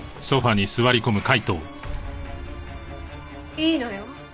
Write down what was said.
いいのよ